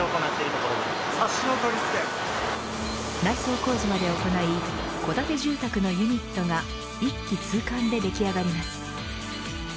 内装工事まで行い戸建て住宅のユニットが一気通貫ででき上がります。